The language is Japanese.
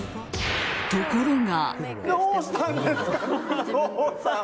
ところが。